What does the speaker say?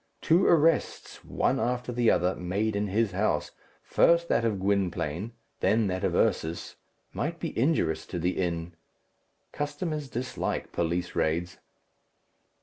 Two arrests, one after the other, made in his house first that of Gwynplaine, then that of Ursus might be injurious to the inn. Customers dislike police raids.